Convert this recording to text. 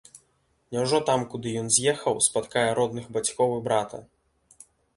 Няўжо там, куды ён з'ехаў, спаткае родных бацькоў і брата.